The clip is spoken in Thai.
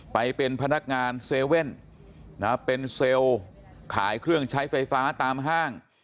ไปเป็นพนักงาน๗๑๑เป็นเซลล์ขายเครื่องใช้ไฟฟ้าตามห้าง